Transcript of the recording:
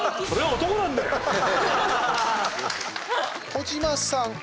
児嶋さん。